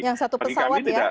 yang satu pesawat ya